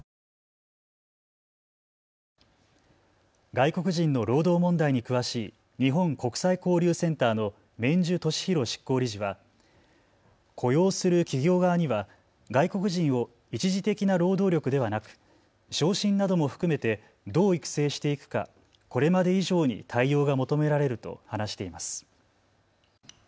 外国人の労働問題に詳しい日本国際交流センターの毛受敏浩執行理事は雇用する企業側には外国人を一時的な労働力ではなく昇進なども含めて、どう育成していくか、これまで以上に対応が求められると話しています。